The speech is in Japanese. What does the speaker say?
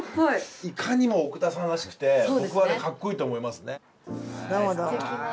いかにも奥田さんらしくて僕はかっこいいと思いますね。